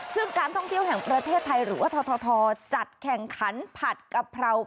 ซึ่งการท่องเที่ยวแห่งประเทศไทยหรือว่าททจัดแข่งขันผัดกะเพรา